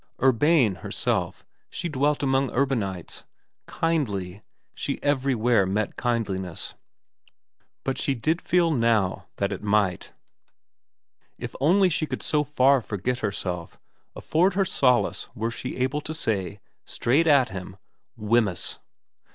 Urbane herself, she dwelt among urbanities ; kindly, she everywhere met kindliness. But she did feel now that it might, if only she could so far forget herself, afford her solace were she able to say, straight at him, ' Wemyss.'